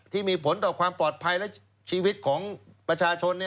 ที่มีผลต่อความปลอดภัยและชีวิตของประชาชน